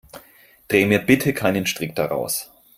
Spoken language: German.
Dreh mir bitte keinen Strick daraus.